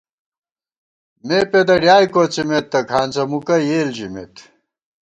مےپېدہ ڈیائے کوڅِمېت تہ کھانڅہ مُکہ یېل ژِمېت